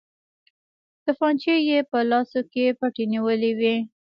تمانچې يې په لاسو کې پټې نيولې وې.